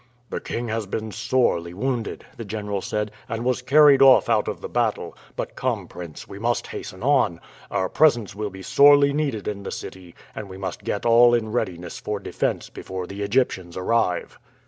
"The king has been sorely wounded," the general said, "and was carried off out of the battle; but come, prince, we must hasten on. Our presence will be sorely needed in the city, and we must get all in readiness for defense before the Egyptians arrive."